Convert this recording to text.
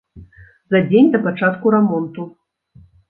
За дзень да пачатку рамонту.